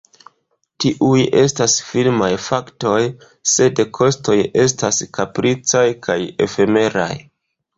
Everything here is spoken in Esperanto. Tiuj estas firmaj faktoj, sed kostoj estas kapricaj kaj efemeraj.